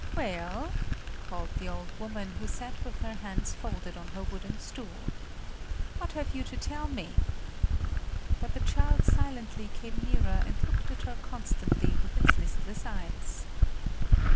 "Well," called the old woman, who sat with her hands folded on her wooden stool; "what have you to tell me?" But the child silently came nearer and looked at her constantly with its listless eyes.